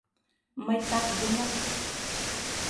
Мый так гына...